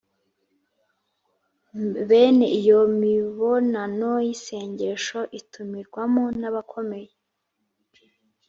bene iyo mibonano y'isengesho itumirwamo n'abakomeye